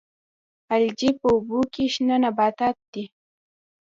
الجی په اوبو کې شنه نباتات دي